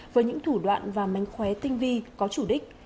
với những thủ đoạn và mánh khóe tinh vi có chủ đích